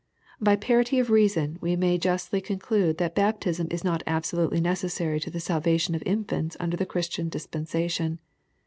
By parity of reason we may justly conclude that baptism is not absolutely necessary to the salvation of infants under the Chris tian dispensation.